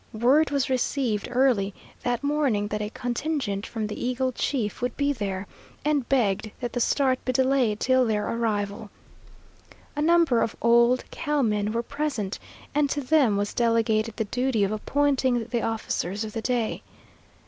Word was received early that morning that a contingent from the Eagle Chief would be there, and begged that the start be delayed till their arrival. A number of old cowmen were present, and to them was delegated the duty of appointing the officers of the day.